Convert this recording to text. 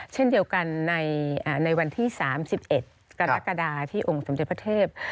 เช่นเดียวกันในวันที่๓๑กราศกรรดาที่องค์สมศัพท์ประเทศ